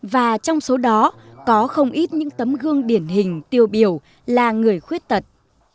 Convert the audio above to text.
và trong số đó có không ít những tấm gương điển hình tiêu biểu là người khuyết tật